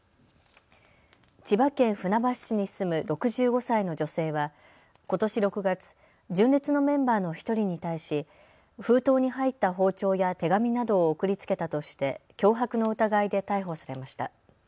千葉県船橋市に住む６５歳の女性はことし６月、純烈のメンバーの１人に対し封筒に入った包丁や手紙などを送りつけたとして脅迫の疑いで逮捕されました。